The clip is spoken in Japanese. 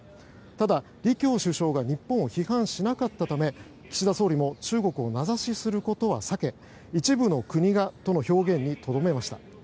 ただ、李強首相が日本を批判しなかったため岸田総理も中国を名指しすることは避け「一部の国が」との表現にとどめました。